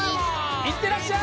いってらっしゃい！